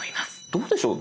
どうでしょう？